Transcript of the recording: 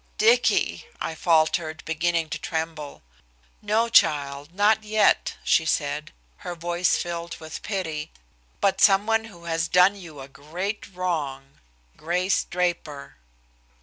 "Dicky!" I faltered, beginning to tremble. "No, child, not yet," she said, her voice filled with pity, "but someone who has done you a great wrong, Grace Draper."